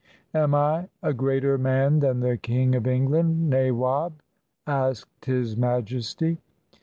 "Am I a greater man than the King of England, nawab?" asked His Majesty.